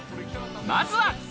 まずは。